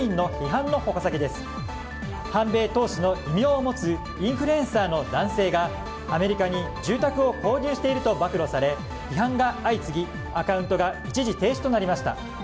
反米闘士の異名を持つインフルエンサーの男性がアメリカに住宅を購入していると暴露され、批判が相次ぎアカウントが一時停止となりました。